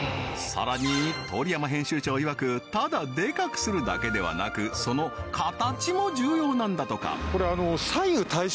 さらに通山編集長いわくただデカくするだけではなくその形も重要なんだとかああ